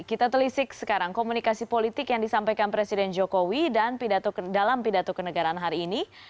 kita telisik sekarang komunikasi politik yang disampaikan presiden jokowi dalam pidato kenegaraan hari ini